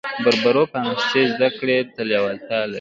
بربرو فرانسې زده کړې ته لېوالتیا لرله.